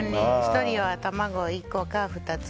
１人は卵１個か２つ。